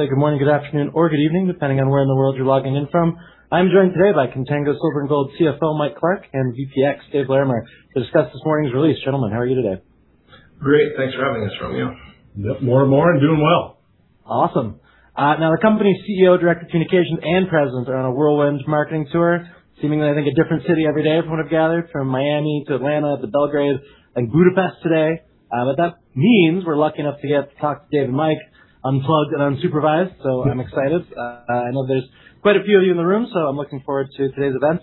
Say good morning, good afternoon, or good evening, depending on where in the world you're logging in from. I'm joined today by Contango Silver & Gold CFO, Mike Clark, and VP Exploration, Dave Larimer, to discuss this morning's release. Gentlemen, how are you today? Great. Thanks for having us, Romeo. Yep. More and more and doing well. Awesome. The company's CEO, Director of Communications, and President are on a whirlwind marketing tour, seemingly, I think, a different city every day, everyone have gathered from Miami to Atlanta to Belgrade, and Budapest today. That means we're lucky enough to get to talk to Dave and Mike unplugged and unsupervised, so I'm excited. I know there's quite a few of you in the room, so I'm looking forward to today's event.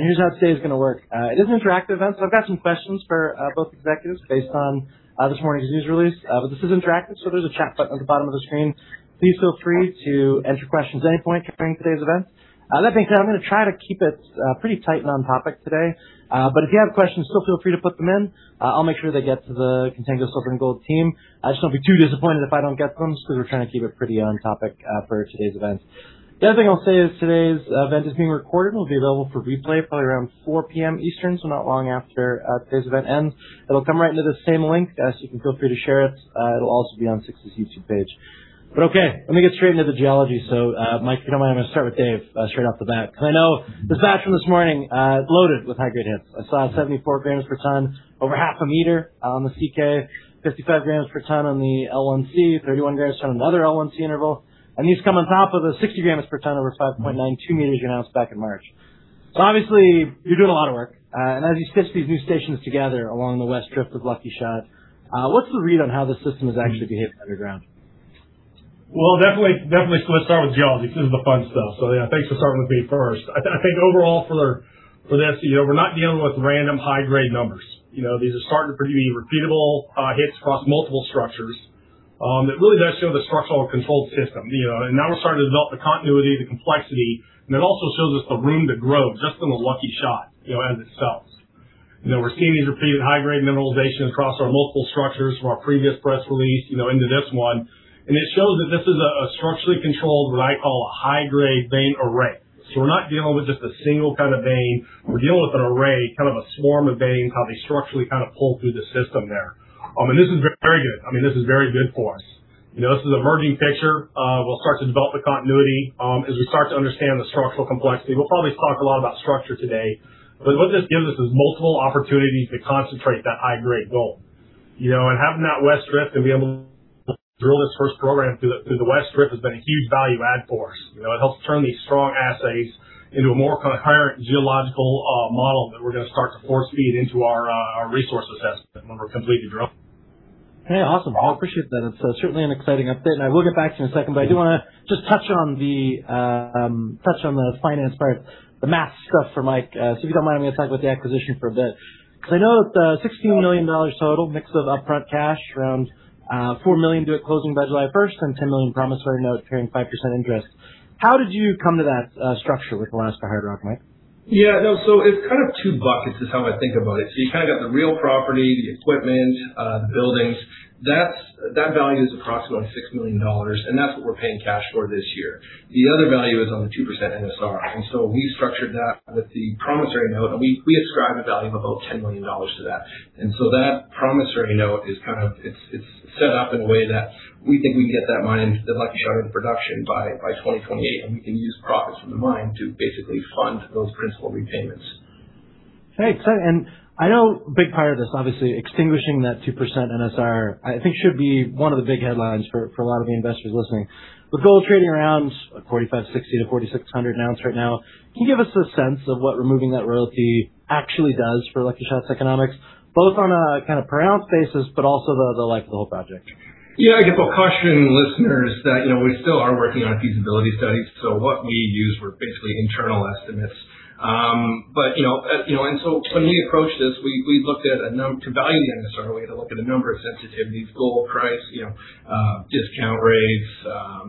Here's how today's gonna work. It is an interactive event, so I've got some questions for both executives based on this morning's news release. This is interactive, so there's a chat button at the bottom of the screen. Please feel free to enter questions at any point during today's event. That being said, I'm gonna try to keep it pretty tight and on topic today. If you have questions, still feel free to put them in. I'll make sure they get to the Contango Silver & Gold team. Just don't be too disappointed if I don't get to them just 'cause we're trying to keep it pretty on topic for today's event. The other thing I'll say is today's event is being recorded. It will be available for replay probably around 4:00 P.M. Eastern, so not long after today's event ends. It'll come right into this same link, you can feel free to share it. It'll also be on [6ix's] YouTube page. Okay, let me get straight into the geology. Mike, if you don't mind, I'm going to start with Dave, straight off the bat, 'cause I know the stats from this morning, loaded with high-grade hits. I saw 74 grams per ton over half a meter on the CK, 55 grams per ton on the L1C, 31 grams from another L1C interval. These come on top of the 60 grams per ton over 5.92 meters you announced back in March. Obviously, you're doing a lot of work. As you stitch these new stations together along the west drift of Lucky Shot, what's the read on how the system is actually behaving underground? Well, definitely let's start with geology. This is the fun stuff. Yeah, thanks for starting with me first. I think overall for this, you know, we're not dealing with random high-grade numbers. You know, these are starting to pretty repeatable hits across multiple structures that really does show the structural controlled system, you know. Now we're starting to develop the continuity, the complexity, and it also shows us the room to grow just in the Lucky Shot, you know, as it sells. You know, we're seeing these repeated high-grade mineralization across our multiple structures from our previous press release, you know, into this one, and it shows that this is a structurally controlled, what I call a high-grade vein array. We're not dealing with just a single kind of vein, we're dealing with an array, kind of a swarm of veins, how they structurally kind of pull through the system there. This is very good. I mean, this is very good for us. You know, this is an emerging picture. We'll start to develop the continuity as we start to understand the structural complexity. We'll probably talk a lot about structure today, what this gives us is multiple opportunities to concentrate that high-grade gold. You know, having that west drift and being able to drill this first program through the west drift has been a huge value add for us. You know, it helps turn these strong assays into a more kind of coherent geological model that we're gonna start to force-feed into our resource assessment when we're completely drilled. Yeah, awesome. Well, appreciate that. It's certainly an exciting update, and I will get back to you in a second. I do want to just touch on the finance part, the math stuff for Mike. If you don't mind, I'm going to talk about the acquisition for a bit, because I know it's $16 million total, mix of upfront cash, around $4 million due at closing by July 1st, and $10 million promissory note carrying 5% interest. How did you come to that structure with Alaska Hardrock, Mike? Yeah. No, it's kind of two buckets is how I think about it. You kind of got the real property, the equipment, the buildings. That value is approximately $6 million, and that's what we're paying cash for this year. The other value is on the 2% NSR. We structured that with the promissory note, and we ascribed a value of about $10 million to that. That promissory note is kind of, it's set up in a way that we think we can get that mine, the Lucky Shot, into production by 2028, and we can use profits from the mine to basically fund those principal repayments. Thanks. I know a big part of this, obviously, extinguishing that 2% NSR, I think should be one of the big headlines for a lot of the investors listening. With gold trading around $4,560-$4,600 an ounce right now, can you give us a sense of what removing that royalty actually does for Lucky Shot's economics, both on a kind of per ounce basis, but also the life of the whole project? Yeah, I guess I'll caution listeners that, you know, we still are working on feasibility studies, so what we use are basically internal estimates. You know, when we approached this, we looked at a number, to value the NSR, we had to look at a number of sensitivities, gold price, you know, discount rates,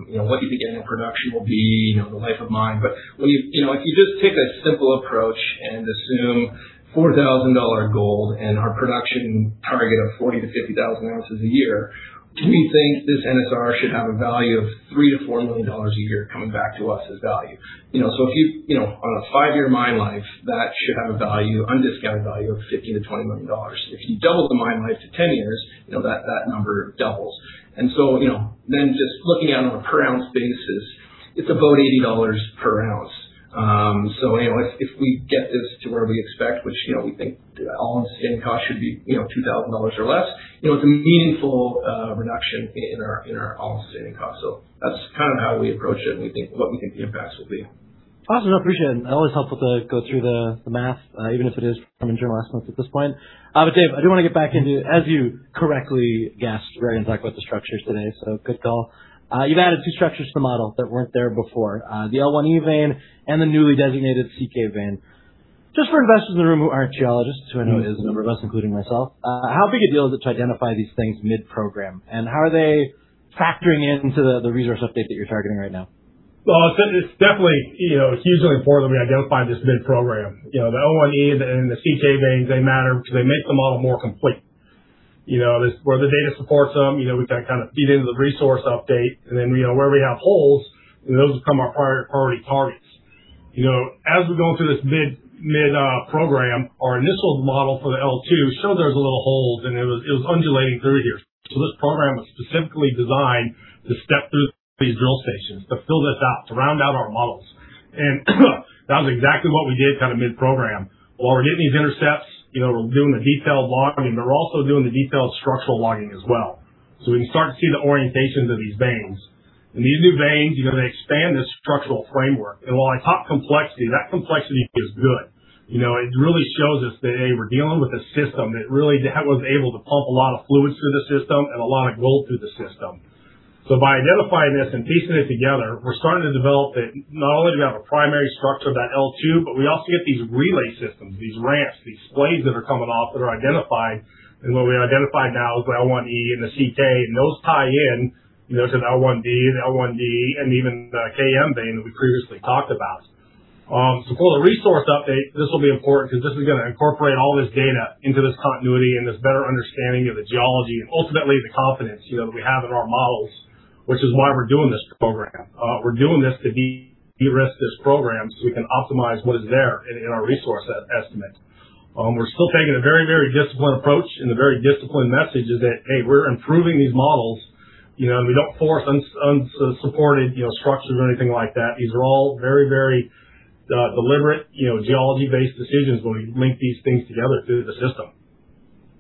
you know, what do you think annual production will be, you know, the life of mine. When you know, if you just take a simple approach and assume $4,000 gold and our production target of 40,000-50,000 oz a year, we think this NSR should have a value of $3 million-$4 million a year coming back to us as value. You know, if you know, on a five-year mine life, that should have a value, undiscounted value of $50 million-$20 million. If you double the mine life to 10 years, you know, that number doubles. You know, then just looking at it on a per ounce basis, it's about $80 per oz. You know, if we get this to where we expect, which, you know, we think all-in sustaining cost should be, you know, $2,000 or less, you know, it's a meaningful reduction in our all-in sustaining cost. That's kind of how we approach it and we think what the impacts will be. Awesome. No, appreciate it. Always helpful to go through the math, even if it is from engineering last month at this point. Dave, I do wanna get back into, as you correctly guessed, we're gonna talk about the structures today, so good call. You've added two structures to the model that weren't there before, the L1E vein and the newly designated CK vein. Just for investors in the room who aren't geologists, who I know is a number of us, including myself, how big a deal is it to identify these things mid-program, and how are they factoring into the resource update that you're targeting right now? Well, it's definitely, you know, hugely important that we identify this mid-program. You know, the L1E and the CK veins, they matter because they make the model more complete. You know, this, where the data supports them, you know, we can kind of feed into the resource update, then, you know, where we have holes, you know, those become our priority targets. You know, as we're going through this mid-program, our initial model for the L2 showed there was a little hole, and it was undulating through here. This program was specifically designed to step through these drill stations, to fill this out, to round out our models. That was exactly what we did kind of mid-program. While we're getting these intercepts, you know, we're doing the detailed logging, we're also doing the detailed structural logging as well. We can start to see the orientations of these veins. These new veins, you know, they expand this structural framework. While I talk complexity, that complexity is good. You know, it really shows us that, hey, we're dealing with a system that really was able to pump a lot of fluids through the system and a lot of gold through the system. By identifying this and piecing it together, we're starting to develop that not only do we have a primary structure of that L2, but we also get these relay systems, these ramps, these splays that are coming off that are identified. What we identified now is the L1E and the CK, and those tie in, you know, to the L1D, the L1DE, and even the KM vein that we previously talked about. For the resource update, this will be important 'cause this is gonna incorporate all this data into this continuity and this better understanding of the geology and ultimately the confidence, you know, that we have in our models, which is why we're doing this program. We're doing this to de-risk this program, so we can optimize what is there in our resource estimate. We're still taking a very, very disciplined approach. The very disciplined message is that, hey, we're improving these models. You know, we don't force unsupported, you know, structures or anything like that. These are all very, very deliberate, you know, geology-based decisions when we link these things together through the system.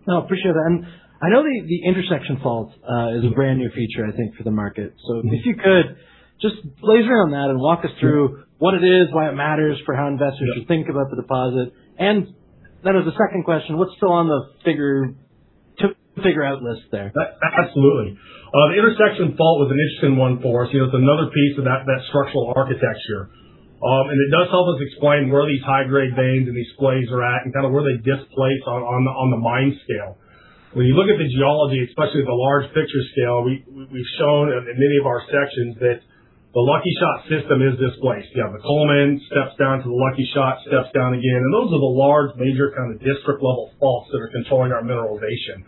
No, appreciate that. I know the intersecting fault is a brand-new feature, I think, for the market. If you could just blaze around that and walk us through what it is, why it matters for how investors should think about the deposit. As a second question, what's still on the to figure out list there? Absolutely. The intersecting fault was an interesting one for us. You know, it's another piece of that structural architecture. It does help us explain where these high-grade veins and these splays are at and kinda where they displace on the mine scale. When you look at the geology, especially at the large picture scale, we've shown in many of our sections that the Lucky Shot system is displaced. You have the Coleman, steps down to the Lucky Shot, steps down again. Those are the large major kind of district level faults that are controlling our mineralization.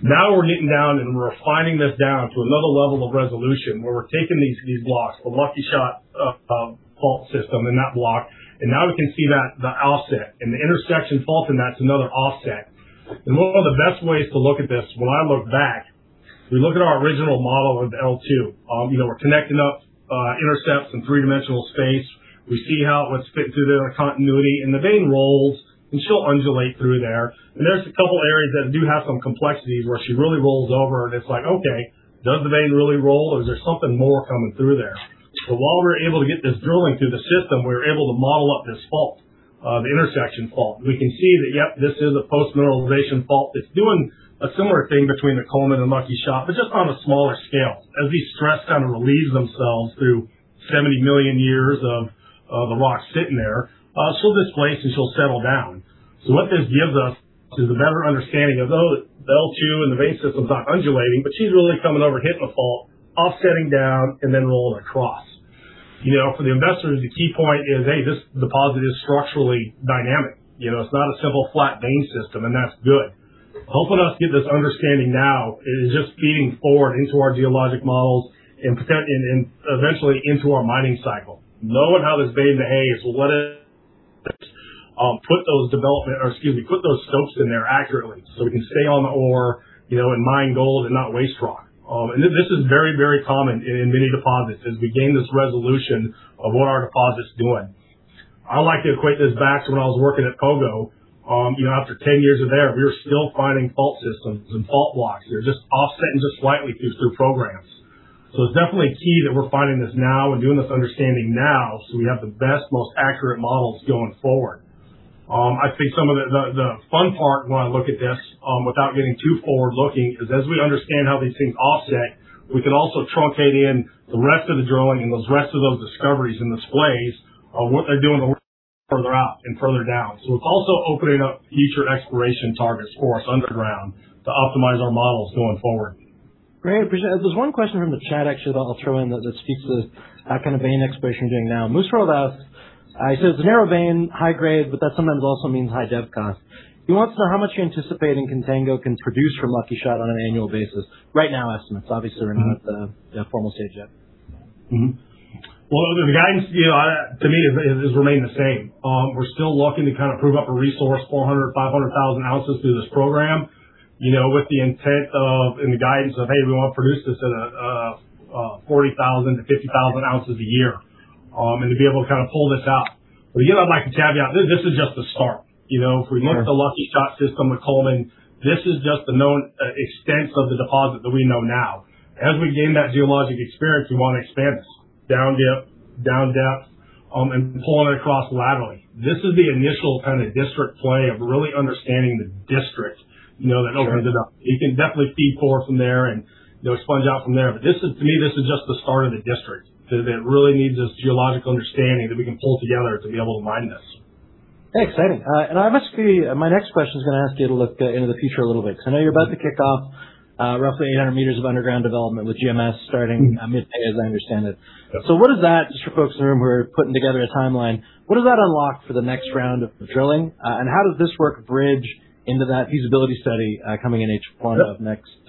Now we're getting down and refining this down to another level of resolution where we're taking these blocks, the Lucky Shot fault system and that block, now we can see the offset. The intersecting fault in that's another offset. One of the best ways to look at this, when I look back, we look at our original model of the L2. You know, we're connecting up, intercepts in three-dimensional space. We see how it was fit through the continuity, and the vein rolls and she'll undulate through there. There's a couple areas that do have some complexities where she really rolls over, and it's like, okay, does the vein really roll, or is there something more coming through there? While we're able to get this drilling through the system, we're able to model up this fault, the intersecting fault. We can see that, yep, this is a post-mineralization fault that's doing a similar thing between the Coleman and Lucky Shot, but just on a smaller scale. As these stress kind of relieves themselves through 70 million years of the rock sitting there, she'll displace and she'll settle down. What this gives us is a better understanding of, the L2 and the vein system's not undulating, but she's really coming over, hitting a fault, offsetting down, and then rolling across. You know, for the investors, the key point is, hey, this deposit is structurally dynamic. You know, it's not a simple flat vein system, and that's good. Helping us get this understanding now is just feeding forward into our geologic models and eventually into our mining cycle. Knowing how this vein behaves will let us put those development or excuse me, put those stopes in there accurately, so we can stay on the ore, you know, and mine gold and not waste rock. This is very, very common in many deposits as we gain this resolution of what our deposit's doing. I like to equate this back to when I was working at Pogo. You know, after 10 years of there, we were still finding fault systems and fault blocks. They're just offsetting just slightly through programs. It's definitely key that we're finding this now and doing this understanding now, so we have the best, most accurate models going forward. I think some of the fun part when I look at this, without getting too forward-looking is, as we understand how these things offset, we can also truncate in the rest of the drilling and rest of those discoveries and the splays of what they're doing further out and further down. It's also opening up future exploration targets for us underground to optimize our models going forward. Great. Appreciate it. There's one question from the chat actually that I'll throw in that speaks to this kind of vein exploration you're doing now. Mooserode asks, he says, the narrow vein, high grade, but that sometimes also means high dev cost. He wants to know how much you're anticipating Contango can produce from Lucky Shot on an annual basis. Right now estimates. Obviously we're not at the formal stage yet. Well, the guidance, you know, to me has remained the same. We're still looking to kind of prove up a resource, 400,000, 500,000 oz through this program. You know, with the intent of, and the guidance of, hey, we wanna produce this at a 40,000-50,000 oz a year, and to be able to kind of pull this out. Again, I'd like to caveat, this is just the start. You know? Sure. If we look at the Lucky Shot system with Coleman, this is just the known extents of the deposit that we know now. As we gain that geologic experience, we wanna expand this down dip, down depth, and pulling it across laterally. This is the initial kind of district play of really understanding the district, you know, that opens it up. Sure. You can definitely feed forward from there and, you know, sponge out from there. This is, to me, this is just the start of the district. It really needs this geological understanding that we can pull together to be able to mine this. Hey, exciting. I'm actually, my next question is gonna ask you to look into the future a little bit. 'Cause I know you're about to kick off, roughly 800 m of underground development with GMS starting midday, as I understand it. Yeah. What does that, just for folks in the room who are putting together a timeline, what does that unlock for the next round of drilling? How does this work bridge into that feasibility study coming in H1 of next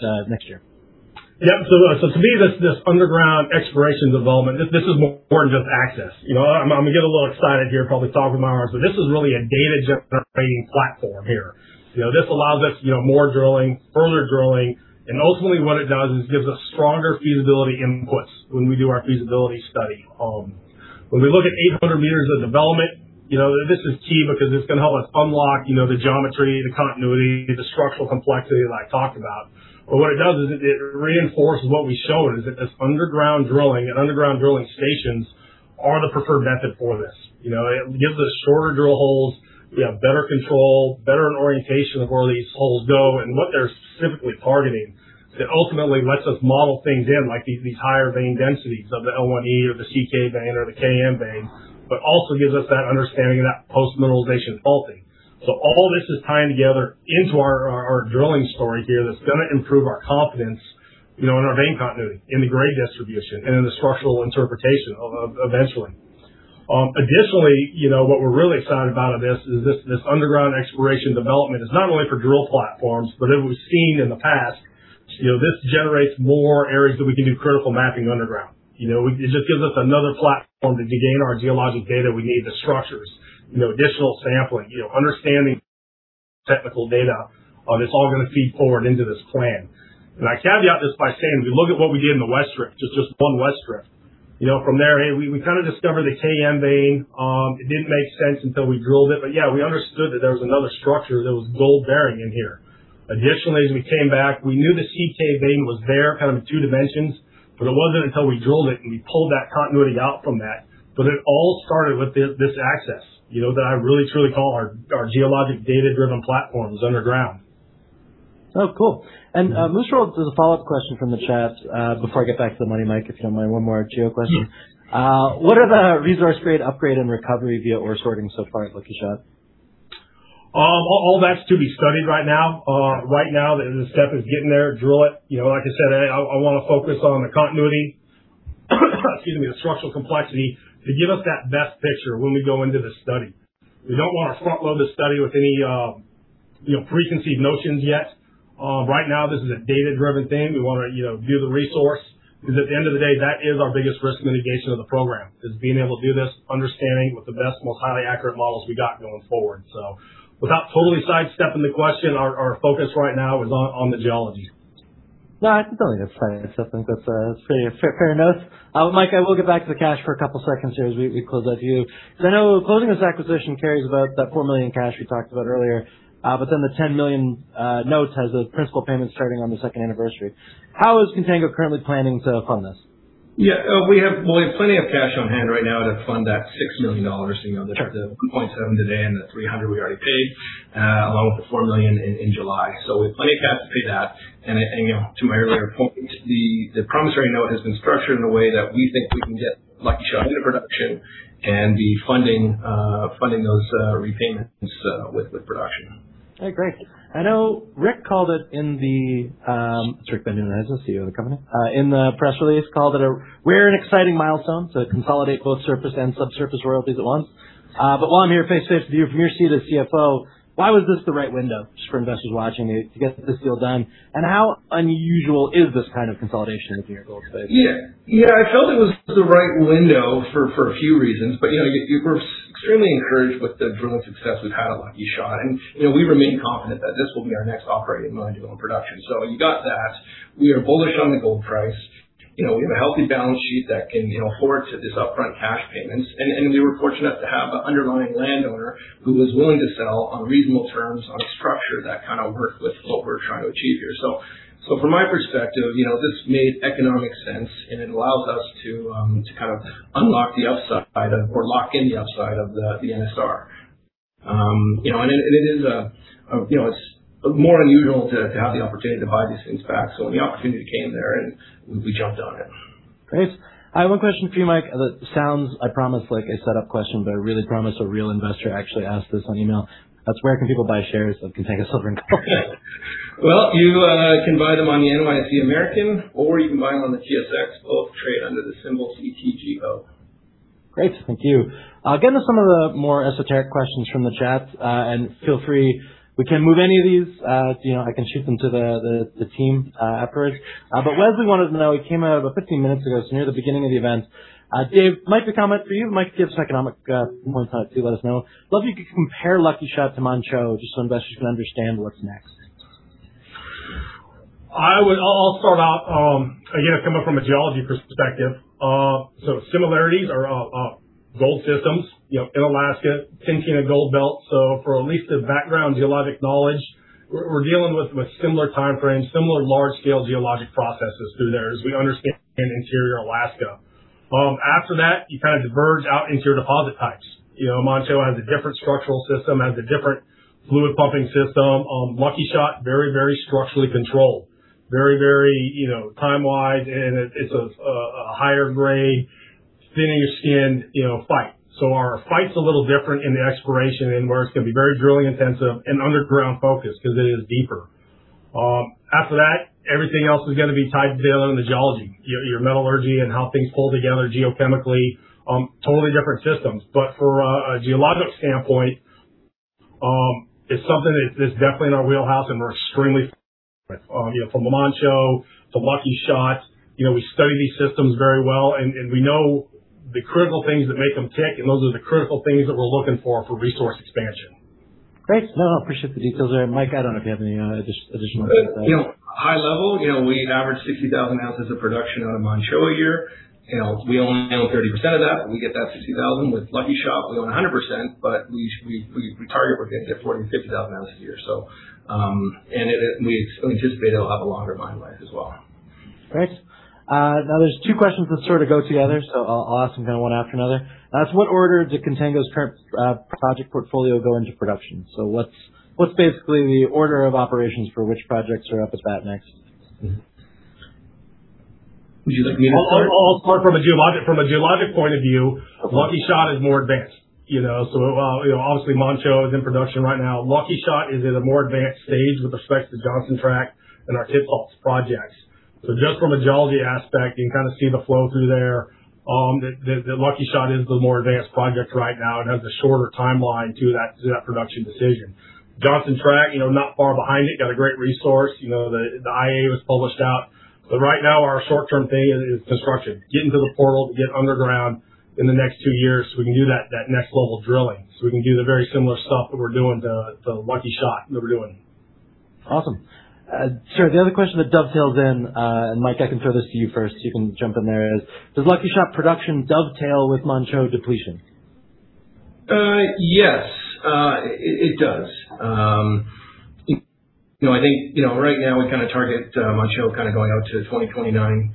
year? To me, this underground exploration development, this is more than just access. You know, I'm gonna get a little excited here probably talking about it, this is really a data-generating platform here. You know, this allows us, you know, more drilling, further drilling, ultimately what it does is gives us stronger feasibility inputs when we do our feasibility study. When we look at 800 m of development, you know, this is key because it's gonna help us unlock, you know, the geometry, the continuity, the structural complexity that I talked about. What it does is it reinforces what we showed, is that this underground drilling and underground drilling stations are the preferred method for this. You know, it gives us shorter drill holes. We have better control, better orientation of where these holes go and what they're specifically targeting. It ultimately lets us model things in, like these higher vein densities of the L1E or the CK vein or the KM vein, also gives us that understanding of that post-mineralization faulting. All this is tying together into our drilling story here that's going to improve our confidence, you know, in our vein continuity, in the grade distribution, and in the structural interpretation eventually. Additionally, you know, what we're really excited about of this is, this underground exploration development is not only for drill platforms, as we've seen in the past, you know, this generates more areas that we can do critical mapping underground. You know, it just gives us another platform to gain our geologic data we need, the structures, you know, additional sampling, you know, understanding technical data. It's all gonna feed forward into this plan. I caveat this by saying, if you look at what we did in the west drift, just one west drift, you know, from there, hey, we kind of discovered the KM vein. It didn't make sense until we drilled it, yeah, we understood that there was another structure that was gold-bearing in here. Additionally, as we came back, we knew the CK vein was there kind of in two dimensions, it wasn't until we drilled it, we pulled that continuity out from that. It all started with this access, you know, that I really truly call our geologic data-driven platforms underground. Oh, cool. Let's roll up to the follow-up question from the chat, before I get back to the Money Mike, if you don't mind one more geo question. Sure. What are the resource grade upgrade and recovery via ore sorting so far at Lucky Shot? All that's to be studied right now. Right now, the step is getting there, drill it. You know, like I said, I wanna focus on the continuity, excuse me, the structural complexity to give us that best picture when we go into the study. We don't wanna front load the study with any, you know, preconceived notions yet. Right now this is a data-driven thing. We wanna, you know, view the resource because at the end of the day, that is our biggest risk mitigation of the program, is being able to do this understanding with the best, most highly accurate models we got going forward. Without totally sidestepping the question, our focus right now is on the geology. No, I think that's, I think that's a fair note. Mike, I will get back to the cash for a couple seconds here as we close out you. I know closing this acquisition carries about that $4 million cash we talked about earlier, the $10 million notes has a principal payment starting on the second anniversary. How is Contango currently planning to fund this? Yeah, we have, well, we have plenty of cash on hand right now to fund that $6 million, you know. Sure. $0.7 million today and the $300,000 we already paid, along with the $4 million in July, we have plenty of cash to pay that. You know, to my earlier point, the promissory note has been structured in a way that we think we can get Lucky Shot into production and be funding those repayments with production. Okay, great. I know Rick called it in the, Rick Van Nieuwenhuyse, our CEO of the company, in the press release called it a rare and exciting milestone to consolidate both surface and subsurface royalties at once. But while I'm here, face to face with you from your seat as CFO, why was this the right window, just for investors watching, to get this deal done? How unusual is this kind of consolidation in the junior gold space? Yeah. Yeah. I felt it was the right window for a few reasons. You know, we're extremely encouraged with the drilling success we've had at Lucky Shot. You know, we remain confident that this will be our next operating mine to go in production. You got that. We are bullish on the gold price. You know, we have a healthy balance sheet that can, you know, afford to this upfront cash payments. We were fortunate to have the underlying landowner who was willing to sell on reasonable terms on a structure that kind of worked with what we're trying to achieve here. From my perspective, you know, this made economic sense, and it allows us to kind of unlock the upside or lock in the upside of the NSR. You know, and it is a, you know, it's more unusual to have the opportunity to buy these things back. When the opportunity came there and we jumped on it. Great. I have one question for you, Mike, that sounds, I promise, like a set-up question, but I really promise a real investor actually asked this on email. That's where can people buy shares of Contango Silver & Gold? Well, you can buy them on the NYSE American, or you can buy them on the TSX, both trade under the symbol CTGO. Great. Thank you. Getting to some of the more esoteric questions from the chat, and feel free, we can move any of these. You know, I can shoot them to the team afterwards. Okay. Leslie wanted to know, it came out about 15 minutes ago, so near the beginning of the event. Dave, might be a comment for you. Mike Gibbs, economic, one side too, let us know. Love if you could compare Lucky Shot to Manh Choh, just so investors can understand what's next. I'll start off, again, coming from a geology perspective. Similarities are gold systems, you know, in Alaska, Tintina gold belt. For at least a background geologic knowledge, we're dealing with similar timeframes, similar large scale geologic processes through there as we understand in interior Alaska. After that, you kind of diverge out into your deposit types. You know, Manh Choh has a different structural system, has a different fluid pumping system. Lucky Shot, very structurally controlled, very, you know, time-wise, and it's a higher grade thinner skinned, you know, fight. Our fight's a little different in the exploration in where it's gonna be very drilling intensive and underground focused because it is deeper. After that, everything else is gonna be tied down in the geology. Your metallurgy and how things pull together geochemically, totally different systems. From a geologic standpoint, it's something that is definitely in our wheelhouse, and we're extremely, you know, from Manh Choh to Lucky Shot. You know, we study these systems very well, and we know the critical things that make them tick, and those are the critical things that we're looking for for resource expansion. Great. No, I appreciate the details there. Mike, I don't know if you have any additional comments there. You know, high level, you know, we average 60,000 oz of production out of Manh Choh a year. You know, we own, you know, 30% of that. We get that 60,000. With Lucky Shot, we own 100%, but we target we're gonna get 40,000-50,000 oz a year, so, and it we anticipate it'll have a longer mine life as well. Great. now there's two questions that sort of go together, so I'll ask them kinda one after another. What order did Contango's current project portfolio go into production? What's basically the order of operations for which projects are up to bat next? Would you like me to take that? I'll start from a geologic point of view, Lucky Shot is more advanced, you know. You know, obviously Manh Choh is in production right now. Lucky Shot is at a more advanced stage with respect to Johnson Tract and our Kitsault projects. Just from a geology aspect, you can kind of see the flow through there. The Lucky Shot is the more advanced project right now and has a shorter timeline to that production decision. Johnson Tract, you know, not far behind it. Got a great resource. You know, the IA was published out. Right now, our short-term thing is construction. Get into the portal to get underground in the next two years, so we can do that next level of drilling. We can do the very similar stuff that we're doing to Lucky Shot that we're doing. Awesome. The other question that dovetails in, and Mike, I can throw this to you first, you can jump in there, is does Lucky Shot production dovetail with Manh Choh depletion? Yes, it does. You know, I think, you know, right now we kind of target Manh Choh kind of going out to 2029,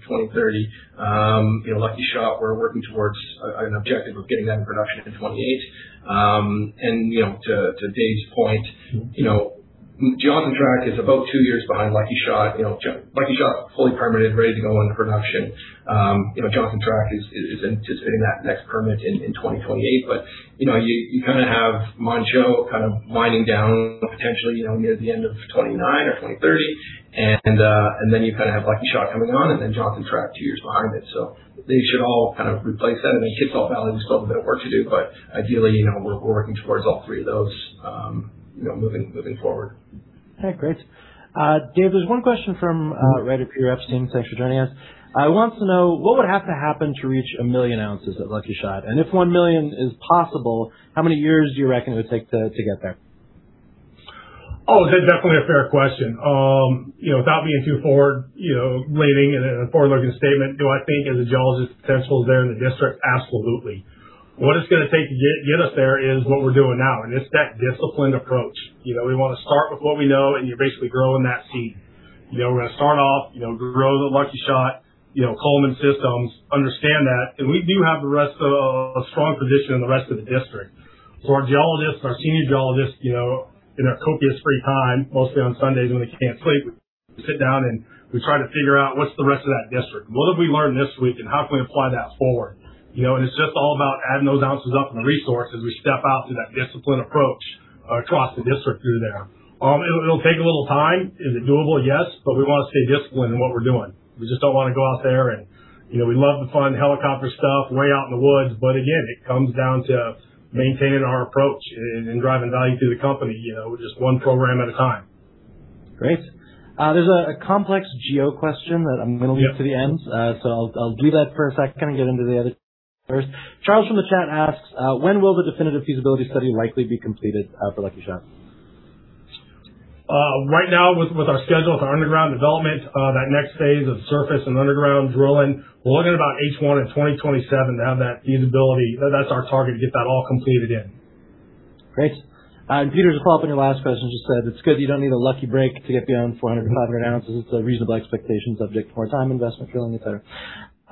2030. You know, Lucky Shot, we're working towards an objective of getting that in production in 2028. You know, to Dave's point, you know, Johnson Tract is about two years behind Lucky Shot. You know, Lucky Shot, fully permitted, ready to go into production. You know, Johnson Tract is anticipating that next permit in 2028. You know, you kind of have Manh Choh kind of winding down potentially, you know, near the end of 2029 or 2030. Then you kind of have Lucky Shot coming on and then Johnson Tract two years behind it. They should all kind of replace that. I mean, Kitsault Valley, there's still a bit of work to do, but ideally, you know, we're working towards all three of those, you know, moving forward. Okay, great. Dave, there's one question from Writer P. Epstein. Thanks for joining us. He wants to know what would have to happen to reach a million ounces at Lucky Shot. If 1 million is possible, how many years do you reckon it would take to get there? That's definitely a fair question. You know, without being too forward, you know, leaning in a forward-looking statement. Do I think as a geologist potential is there in the district? Absolutely. What it's gonna take to get us there is what we're doing now, and it's that disciplined approach. You know, we wanna start with what we know, and you're basically growing that seed. You know, we're gonna start off, you know, grow the Lucky Shot, you know, Coleman systems, understand that. We do have the rest of, a strong position in the rest of the district. Our geologists, our senior geologists, you know, in our copious free time, mostly on Sundays when we can't sleep, we sit down and we try to figure out what's the rest of that district. What have we learned this week, and how can we apply that forward? You know, it's just all about adding those ounces up in the resource as we step out through that disciplined approach across the district through there. It'll take a little time. Is it doable? Yes. We wanna stay disciplined in what we're doing. We just don't wanna go out there and, you know, we love the fun helicopter stuff way out in the woods, but again, it comes down to maintaining our approach and driving value to the company, you know, with just one program at a time. Great. There's a complex geo question that I'm gonna leave to the end. I'll do that first. I can get into the other first. Charles from the chat asks, "When will the definitive feasibility study likely be completed for Lucky Shot? Right now with our schedule, with our underground development, that next phase of surface and underground drilling, we're looking about H1 in 2027 to have that feasibility. That's our target to get that all completed in. Great. Peter, to follow up on your last question, just said, it's good you don't need a lucky break to get beyond 400, 500 oz. It's a reasonable expectation subject to more time investment, drilling, et cetera.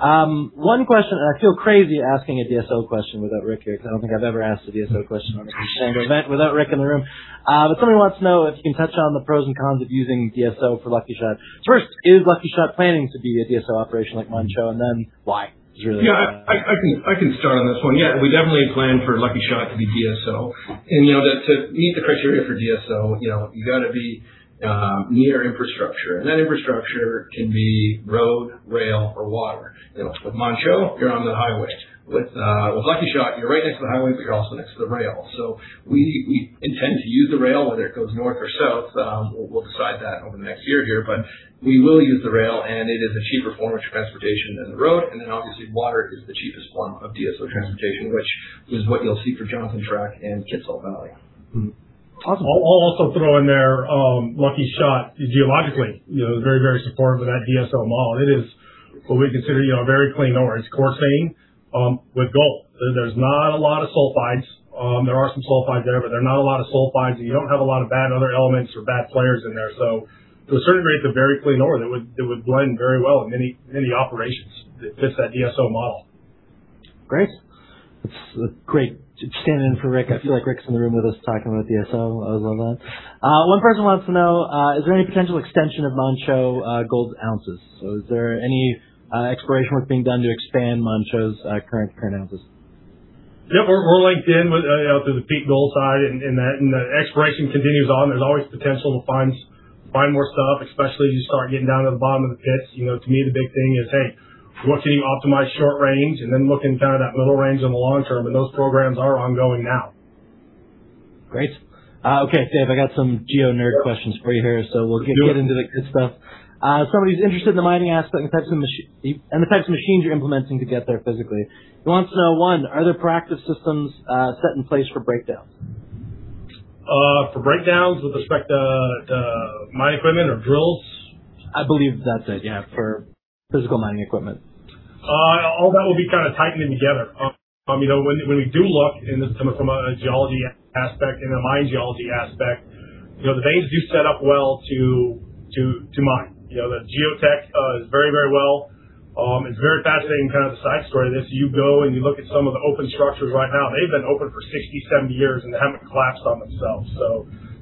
One question, I feel crazy asking a DSO question without Rick here because I don't think I've ever asked a DSO question on a Contango event without Rick in the room. Someone wants to know if you can touch on the pros and cons of using DSO for Lucky Shot. First, is Lucky Shot planning to be a DSO operation like Manh Choh, and then why is really what they want. I can start on this one. We definitely plan for Lucky Shot to be DSO. You know, to meet the criteria for DSO, you know, you gotta be near infrastructure. That infrastructure can be road, rail, or water. You know, with Manh Choh, you're on the highway. With Lucky Shot, you're right next to the highway, but you're also next to the rail. We intend to use the rail, whether it goes north or south. We'll decide that over the next year here. We will use the rail, and it is a cheaper form of transportation than the road. Obviously, water is the cheapest form of DSO transportation, which is what you'll see for Johnson Tract and Kitsault Valley. Awesome. I'll also throw in there, Lucky Shot geologically, you know, very, very supportive of that DSO model. It is what we consider, you know, a very clean ore. It's quartz vein with gold. There's not a lot of sulfides. There are some sulfides there, but there are not a lot of sulfides, and you don't have a lot of bad other elements or bad players in there. To a certain degree, it's a very clean ore. It would blend very well in many, many operations that fits that DSO model. Great. It's a great stand-in for Rick. I feel like Rick's in the room with us talking about DSO. I love that. One person wants to know, is there any potential extension of Manh Choh gold ounces? Is there any exploration work being done to expand Manh Choh's current ounces? Yeah. We're linked in with, you know, through the Peak Gold side and that, and the exploration continues on. There's always potential to find more stuff, especially as you start getting down to the bottom of the pits. You know, to me, the big thing is, hey, we want to optimize short range and then look in kind of that middle range in the long term, and those programs are ongoing now. Great. Okay, Dave, I got some geo-nerd questions for you here. Let's do it. We'll get into the good stuff. Somebody's interested in the mining aspect and the types of machines you're implementing to get there physically. He wants to know, one, are there practice systems set in place for breakdowns? For breakdowns with respect to mine equipment or drills? I believe that's it, yeah, for physical mining equipment. All that will be kinda tightened in together. You know, when we do look in this from a geology aspect, in a mine geology aspect, you know, the veins do set up well to mine. You know, the geotech is very well. It's very fascinating kind of the side story of this. You go and you look at some of the open structures right now, they've been open for 60, 70 years, they haven't collapsed on themselves.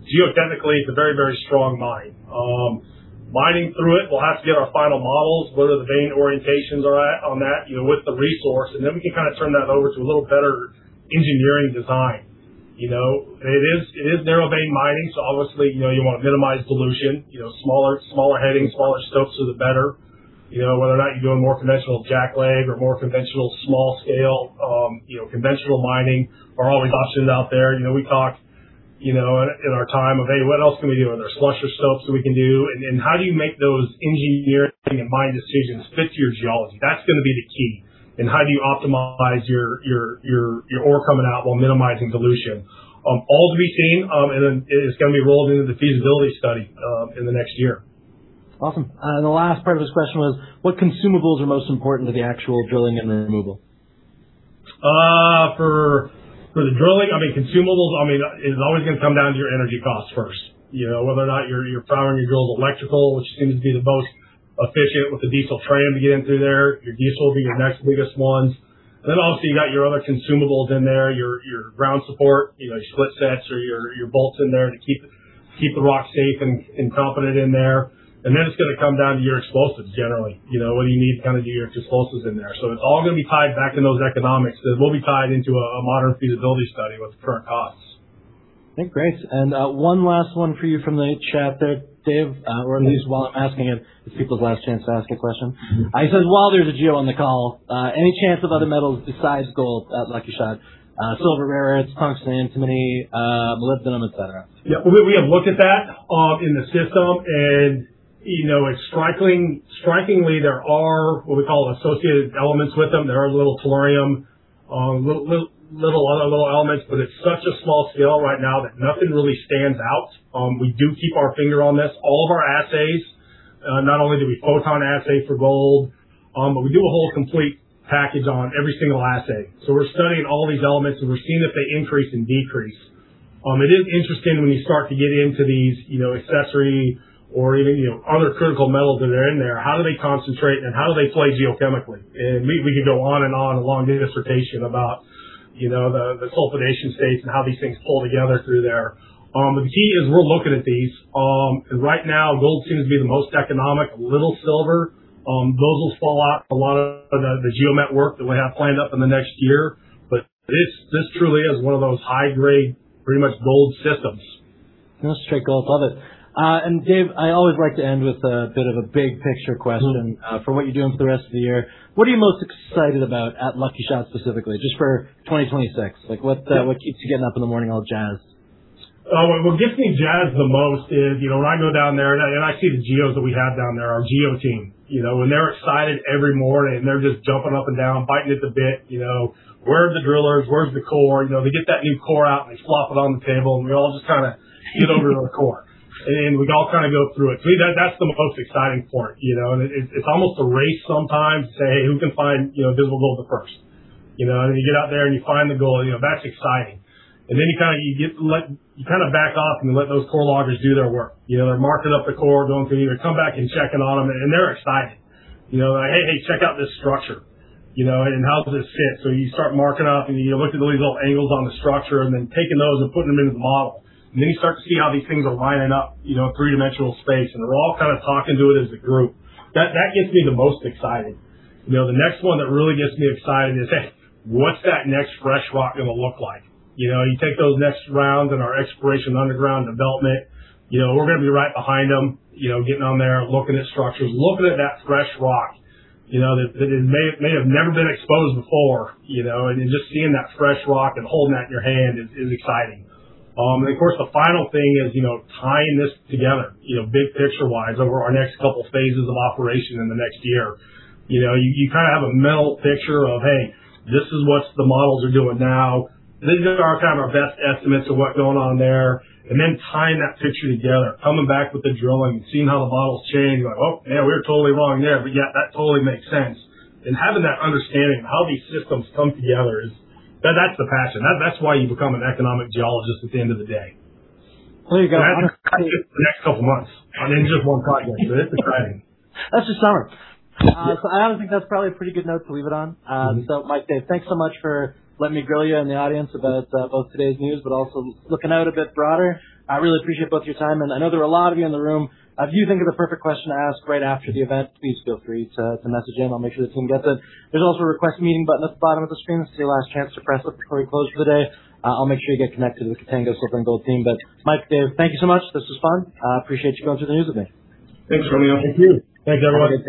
Geotechnically, it's a very strong mine. Mining through it, we'll have to get our final models, where the vein orientations are at on that, you know, with the resource, then we can kinda turn that over to a little better engineering design. You know, it is narrow vein mining, so obviously, you know, you wanna minimize dilution. You know, smaller headings, smaller stopes are the better. You know, whether or not you do a more conventional jackleg or more conventional small scale, you know, conventional mining are all the options out there. You know, we talked, you know, in our time of, hey, what else can we do? There's slusher stopes that we can do, and how do you make those engineering and mine decisions fit to your geology? That's gonna be the key. How do you optimize your ore coming out while minimizing dilution? All to be seen, it is gonna be rolled into the feasibility study in the next year. The last part of this question was what consumables are most important to the actual drilling and the removal? For the drilling, I mean, consumables, I mean, it's always gonna come down to your energy costs first. You know, whether or not your power and your drill's electrical, which seems to be the most efficient with the diesel train to get in through there. Your diesel will be your next biggest ones. Obviously, you got your other consumables in there, your ground support, you know, your split sets or your bolts in there to keep the rock safe and competent in there. It's gonna come down to your explosives generally. You know, what do you need to kind of do your explosives in there? It's all gonna be tied back into those economics. It will be tied into a modern feasibility study with the current costs. Okay, great. One last one for you from the chat there, Dave. At least while I'm asking it's people's last chance to ask a question. He says, while there's a geo on the call, any chance of other metals besides gold at Lucky Shot? Silver, rare earths, tungsten, antimony, molybdenum, et cetera. Yeah. We have looked at that in the system and, you know, it's strikingly there are what we call associated elements with them. There are little tellurium, little other little elements, but it's such a small scale right now that nothing really stands out. We do keep our finger on this. All of our assays, not only do we PhotonAssay for gold, but we do a whole complete package on every single assay. We're studying all these elements, and we're seeing if they increase and decrease. It is interesting when you start to get into these, you know, accessory or even, you know, other critical metals that are in there. How do they concentrate, and how do they play geochemically? We could go on and on, a long dissertation about, you know, the sulfidation states and how these things pull together through there. The key is we're looking at these. 'Cause right now, gold seems to be the most economic. A little silver. Those will fall out a lot of the geomet work that we have planned up in the next year. This truly is one of those high grade, pretty much gold systems. Yeah, straight gold. Love it. Dave, I always like to end with a bit of a big picture question. For what you're doing for the rest of the year, what are you most excited about at Lucky Shot specifically, just for 2026? Like, what keeps you getting up in the morning all jazzed? Oh, what gets me jazzed the most is, you know, when I go down there and I, and I see the geos that we have down there, our geo team, you know, when they're excited every morning, and they're just jumping up and down, biting at the bit, you know, where are the drillers? Where's the core? You know, they get that new core out, and they plop it on the table, and we all just kinda get over to the core, and we all kinda go through it. To me, that's the most exciting part, you know. It's almost a race sometimes to say, hey, who can find, you know, visible gold the first? You know, you get out there and you find the gold, you know, that's exciting. Then you kinda back off and let those core loggers do their work. You know, they're marking up the core, going through, you know, come back and checking on them, and they're excited. You know, they're, hey, hey, check out this structure, you know, and, how does this fit? You start marking up, and you look at all these little angles on the structure and then taking those and putting them into the model. Then you start to see how these things are lining up, you know, in three-dimensional space, and they're all kind of talking to it as a group. That gets me the most excited. You know, the next one that really gets me excited is, hey, what's that next fresh rock going to look like? You know, you take those next rounds in our exploration underground development, you know, we're going to be right behind them, you know, getting on there, looking at structures, looking at that fresh rock, you know, that it may have never been exposed before, you know. Then just seeing that fresh rock and holding that in your hand is exciting. Of course, the final thing is, you know, tying this together, you know, big picture-wise over our next couple phases of operation in the next year. You know, you kind of have a mental picture of, hey, this is what the models are doing now. These are kind of our best estimates of what's going on there, tying that picture together, coming back with the drilling and seeing how the model's changed. You're like, oh, man, we were totally wrong there, but yet that totally makes sense. Having that understanding of how these systems come together is that's the passion. That's why you become an economic geologist at the end of the day. Well, I get it the next couple months, and in just one project. It's exciting. That's just summer. Yeah. I honestly think that's probably a pretty good note to leave it on. Mike, Dave, thanks so much for letting me grill you and the audience about both today's news, but also looking out a bit broader. I really appreciate both your time. I know there are a lot of you in the room. If you think of the perfect question to ask right after the event, please feel free to message in. I'll make sure the team gets it. There's also a Request Meeting button at the bottom of the screen. This is your last chance to press it before we close for the day. I'll make sure you get connected with the Contango Silver & Gold team. Mike, Dave, thank you so much. This was fun. I appreciate you going through the news with me. Thanks, Romeo. Thank you. Thanks, everyone.